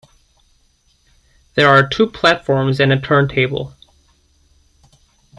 There are two platforms and a turntable.